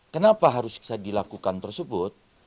kenapa harus bisa dilakukan tersebut